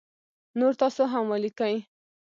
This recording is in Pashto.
نور تاسو هم ولیکی